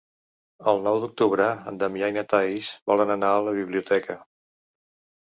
El nou d'octubre en Damià i na Thaís volen anar a la biblioteca.